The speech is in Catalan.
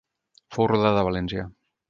Fou rodada a València.